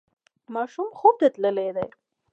ماشوم خوب ته تللی دی.